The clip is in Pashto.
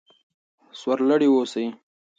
سر لوړي اوسئ.